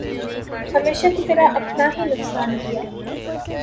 ہمیشہ کی طرح اپنا ہی نقصان کیا ۔